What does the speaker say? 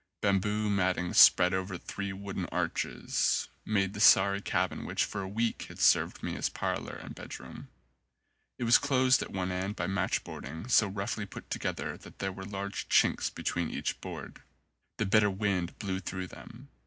Bamboo matting spread over three wooden arches made the sorry cabin which for a week had served me as parlour and bedroom. It was closed at one end by matchboarding so roughly put together that there were large chinks between each board. The bitter wind blew through them.